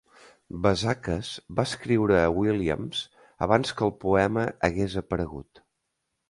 Vazakas va escriure a Williams abans que el poema hagués aparegut.